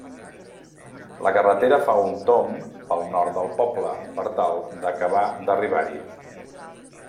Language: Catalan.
La carretera fa un tomb pel nord del poble, per tal d'acabar d'arribar-hi.